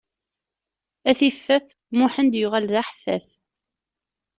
A tiffaf, Muḥend yuɣal d aḥeffaf!